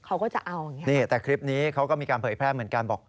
เขาก็จะเอาอย่างนี้นี่แต่คลิปนี้เขาก็มีการเผยแพร่เหมือนกันบอก